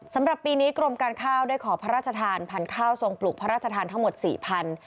สำหรับปีนี้กรมการข้าวได้ขอพระราชทานพันธุ์ข้าวทรงปลูกพระราชทานทั้งหมดสี่พัน